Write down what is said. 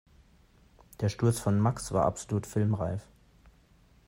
Der Sturz von Max war absolut filmreif.